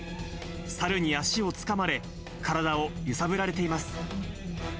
サルに足をつかまれ、体を揺さぶられています。